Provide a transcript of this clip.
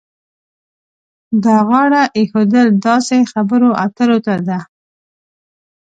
دا غاړه ایښودل داسې خبرو اترو ته ده.